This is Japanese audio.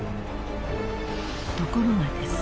［ところがです］